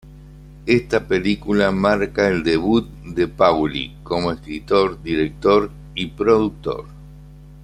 Esta película marca el debut de Pauly como escritor, director y productor.